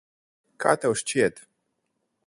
Kā tev šķiet?